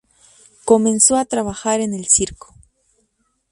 Comenzó a trabajar en el circo.